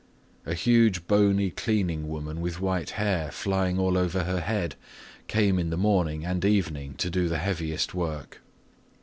A huge bony cleaning woman with white hair flying all over her head came in the morning and evening to do the heaviest work.